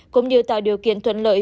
cũng như tạo điều kiện thuận lợi